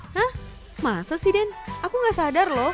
hah masa sih den aku nggak sadar lho